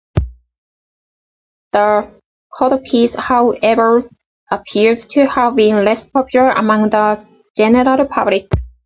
The codpiece, however, appears to have been less popular among the general public.